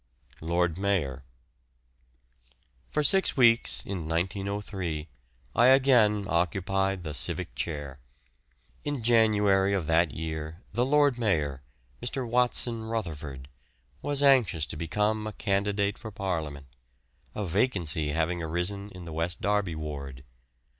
LORD MAYOR. For six weeks in 1903 I again occupied the civic chair. In January of that year the Lord Mayor, Mr. Watson Rutherford, was anxious to become a candidate for Parliament, a vacancy having arisen in the West Derby Ward.